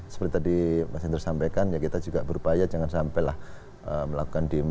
seperti tadi mas hinder sampaikan kita juga berupaya jangan sampai melakukan demo